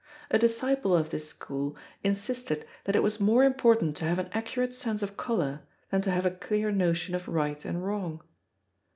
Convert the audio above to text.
A disciple of this school insisted that it was more important to have an accurate sense of colour than to have a clear notion of right and wrong.